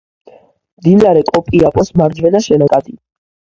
მდინარე კოპიაპოს მარჯვენა შენაკადი.